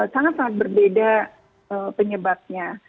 sangat sangat berbeda penyebabnya